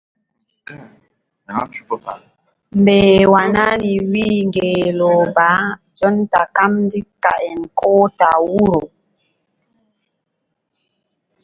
Mbeewa nani wiʼi ngeelooba jonta kam, ndikka en koota wuro.